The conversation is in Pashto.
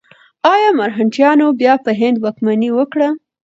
ایا مرهټیانو بیا په هند واکمني وکړه؟